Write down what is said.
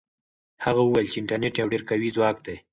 هغه وویل چې انټرنيټ یو ډېر قوي ځواک دی.